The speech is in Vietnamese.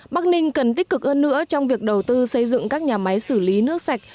bắc ninh cần tích cực hơn nữa trong việc đầu tư xây dựng các nhà máy xử lý nước sạch